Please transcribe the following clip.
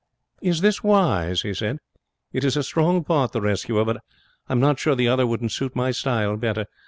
'Is this wise?' he said. 'It is a strong part, the rescuer, but I'm not sure the other wouldn't suit my style better.